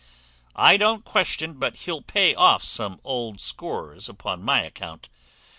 I don't question but he'll pay off some old scores upon my account.